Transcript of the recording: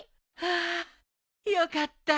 ああよかった。